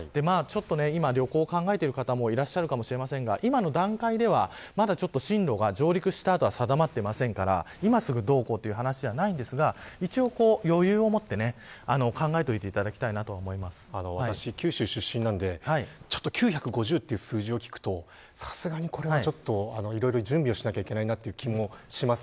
今、旅行を考えている方もいるかもしれませんが今の段階では進路が、上陸した後は定まっていませんから今すぐどうこうという話ではありませんが一応、余裕を持って考えておいていただきたいと私、九州出身なんでちょっと９５０という数字を聞くといろいろ準備をしなきゃいけないという気もします。